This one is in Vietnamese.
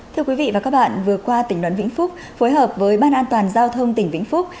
thưa quý vị và các bạn vừa qua tỉnh đoàn vĩnh phúc phối hợp với ban an toàn giao thông tỉnh vĩnh phúc